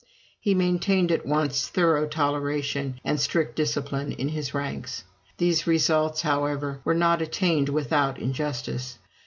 He maintained at once thorough toleration, and strict discipline in his ranks. These results, however, were not attained without injustice.